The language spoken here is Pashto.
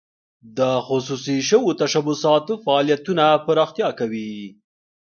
د خصوصي شوو تشبثاتو فعالیتونه پراختیا کوي.